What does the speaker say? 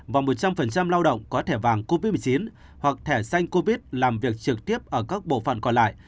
và một trăm linh lao động có thẻ vàng covid một mươi chín hoặc thẻ xanh covid làm việc trực tiếp ở các bộ phận còn lại